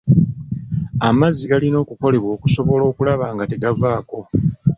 Amazzi galina okukolebwa okusobola okulaba nga tegavaako.